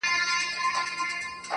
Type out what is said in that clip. ستا خو صرف خندا غواړم چي تا غواړم.